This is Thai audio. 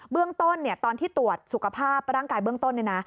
เรื่องต้นตอนที่ตรวจสุขภาพร่างกายเบื้องต้น